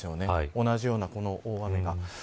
同じような、この大雨が。